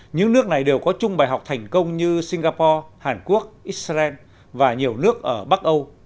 những nước này đều có chung bài học thành công như singapore hàn quốc israel và nhiều nước ở bắc âu